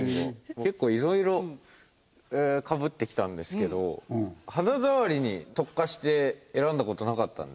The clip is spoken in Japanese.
結構いろいろかぶってきたんですけど肌触りに特化して選んだ事なかったんで。